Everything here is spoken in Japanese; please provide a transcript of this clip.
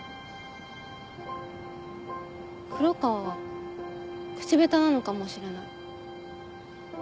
黒川は口下手なのかもしれない。